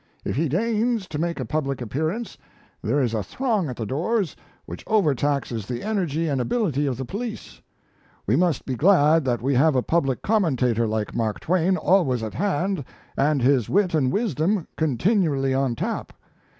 If he deigns to make a public appearance there is a throng at the doors which overtaxes the energy and ability of the police. We must be glad that we have a public commentator like Mark Twain always at hand and his wit and wisdom continually on tap.